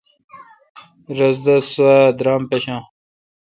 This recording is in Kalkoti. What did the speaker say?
رس تہ سوا درام پݭہ۔